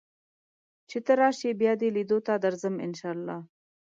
چې ته راشې بیا دې لیدو ته درځم ان شاء الله